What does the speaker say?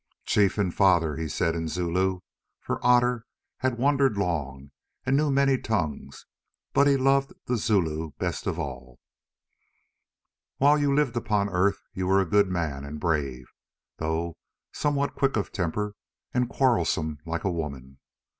"Chief and Father," he said in Zulu, for Otter had wandered long and knew many tongues, but he loved the Zulu best of all. "While you lived upon earth, you were a good man and brave, though somewhat quick of temper and quarrelsome like a woman.